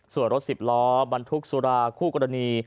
ส่วนรถสิบล้อบรรทุกสุราคู่กรณี